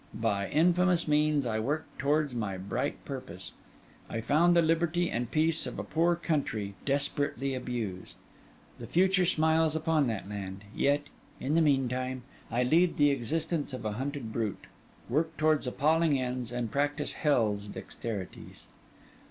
By infamous means, I work towards my bright purpose. I found the liberty and peace of a poor country, desperately abused; the future smiles upon that land; yet, in the meantime, I lead the existence of a hunted brute, work towards appalling ends, and practice hell's dexterities.